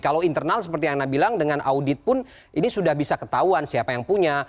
kalau internal seperti yang anda bilang dengan audit pun ini sudah bisa ketahuan siapa yang punya